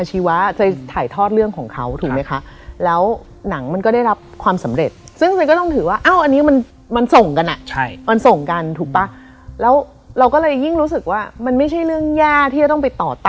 จึงมันเป็นเรื่องแบบทุกครั้งทุกครั้ง